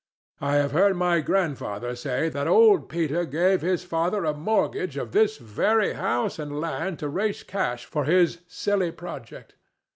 I have heard my grandfather say that old Peter gave his father a mortgage of this very house and land to raise cash for his silly project.